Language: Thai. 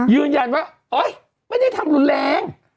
ยืนยันว่าโอ๊ยไม่ได้ทำรุนแรง